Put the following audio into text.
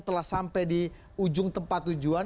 telah sampai di ujung tempat tujuan